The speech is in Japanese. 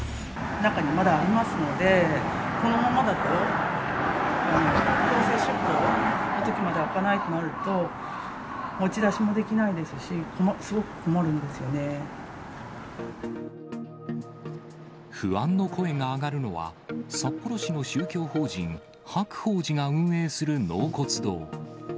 中にまだありますので、このままだと、強制執行のときまで開かないとなると、持ち出しもできないですし、不安の声が上がるのは、札幌市の宗教法人、白鳳寺が運営する納骨堂。